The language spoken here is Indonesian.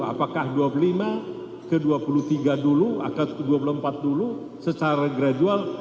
apakah dua puluh lima ke dua puluh tiga dulu akad ke dua puluh empat dulu secara gradual